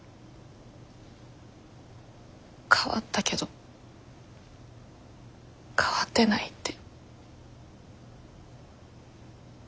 変わったけど変わってないって。